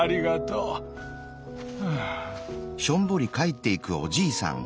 うん。